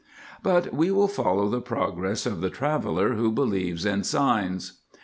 But we will follow the progress of the traveller who believes in signs.